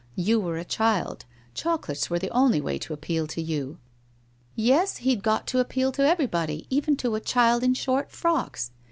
You were a child, chocolates were the only way to appeal to you ' 1 Yes, he'd got to appeal to everybody, even to a child in short frocks.